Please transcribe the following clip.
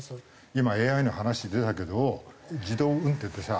今ＡＩの話出たけど自動運転ってさ